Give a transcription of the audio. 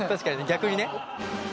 逆にね。